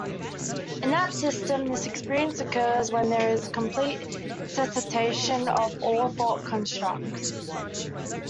In that system, this experience occurs when there is complete cessation of all thought-constructs.